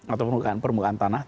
atau permukaan tanah